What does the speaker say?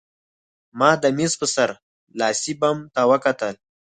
ما د مېز په سر لاسي بم ته وکتل